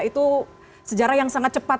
itu sejarah yang sangat cepat